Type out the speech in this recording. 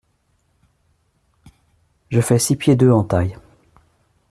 Je fais six pieds deux en taille.